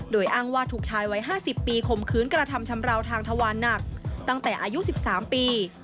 โดยอ้างว่าถูกชายวัย๕๐ปีข่มขืนกระทำชำราวทางทวารหนักตั้งแต่อายุ๑๓ปี